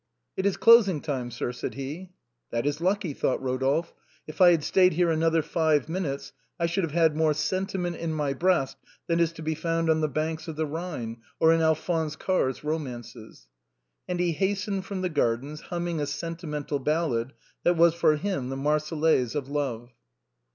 " It is closing time, sir," said he. " That is lucky," thought Rodolphe. " If I had stayed here another five minutes I should have had more sentiment 48 THE BOHEMIANS OF THE LATIN QUARTER. in my Lreast than is to be found on the banks of the Rhine or in Alphonse Karr's romances." And he hastened from the gardens humming a sentimen tal ballad that was for him the Marseillaise of love.